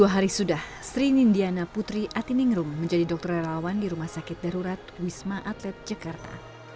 empat puluh dua hari sudah sri nindiana putri atiningrum menjadi dokter rawan di rumah sakit berurat wisma atlet jakarta